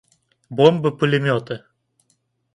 Бомбы-пулеметы!